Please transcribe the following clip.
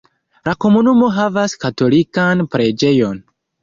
La komunumo havas katolikan preĝejon.